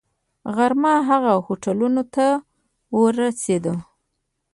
غرمه هغو هوټلونو ته ورسېدو.